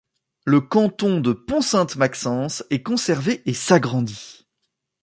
Le canton de Pont-Sainte-Maxence est conservé et s'agrandit.